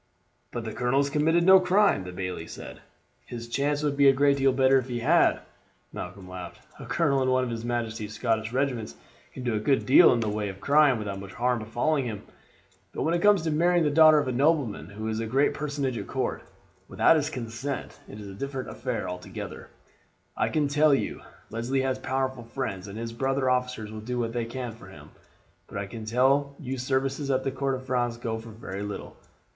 "But the colonel has committed no crime!" the bailie said. "His chance would be a great deal better if he had," Malcolm laughed. "A colonel of one of his majesty's Scottish regiments can do a good deal in the way of crime without much harm befalling him; but when it comes to marrying the daughter of a nobleman who is a great personage at court, without his consent, it is a different affair altogether, I can tell you. Leslie has powerful friends, and his brother officers will do what they can for him; but I can tell you services at the court of France go for very little.